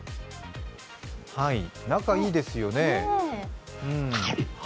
仲いいですよね。